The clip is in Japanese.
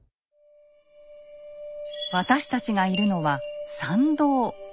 私たちがいるのは参道。